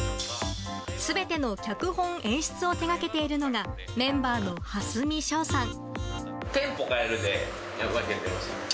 全ての脚本・演出を手掛けているのがメンバーの蓮見翔さん。